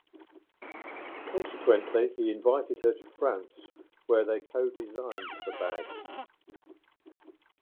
Consequently, he invited her to France where they co-designed the bag.